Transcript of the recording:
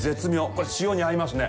これ、塩が合いますね。